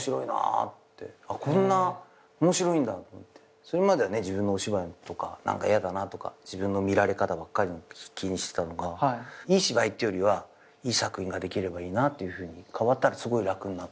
それまではね自分のお芝居とか何かやだなとか自分の見られ方ばっかり気にしてたのがいい芝居っていうよりはいい作品ができればいいなっていうふうに変わったらすごい楽になった。